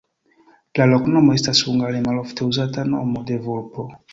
La loknomo estas hungare malofte uzata nomo de vulpo.